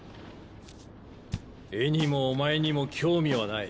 絵にもお前にも興味はない。